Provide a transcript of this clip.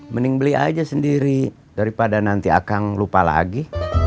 mending beli aja sendiri daripada nanti akang lupa lagi